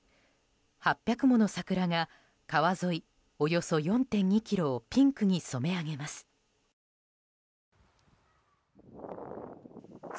８００本もの桜が川沿いのおよそ４．２ｋｍをピンクに染め上げます。